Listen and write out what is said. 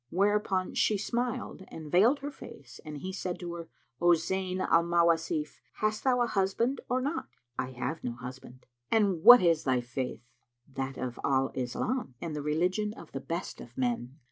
Whereupon she smiled and veiled her face, and he said to her, "O Zayn al Mawasif, hast thou a husband or not?" "I have no husband"; "And what is thy Faith?" "That of Al Islam, and the religion of the Best of Men."